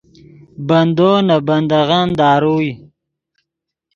بندو نے بندغّن داروئے